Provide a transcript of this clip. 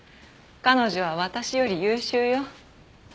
彼女は私より優秀よ。